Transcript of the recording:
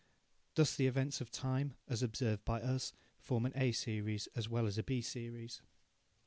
Thus the events of time, as observed by us, form an A series as well as a B series.